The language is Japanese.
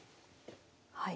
はい。